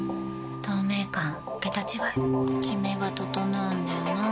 透明感桁違いキメが整うんだよな。